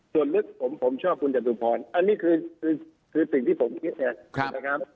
ส่วนลึกผมชอบคุณจตุพรอันนี้คือสิ่งที่ผมคิดเนี่ยนะครับ